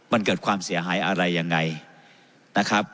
มันเกิดความเสียหายอะไรยังไงนะครับ